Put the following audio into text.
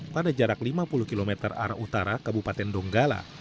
pada jarak lima puluh km arah utara kabupaten donggala